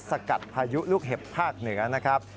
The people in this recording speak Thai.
สกัดพายุลูกเห็บภาคเหนือนะครับ